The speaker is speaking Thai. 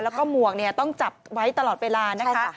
แล้วก็หมวกต้องจับไว้ตลอดเวลานะคะ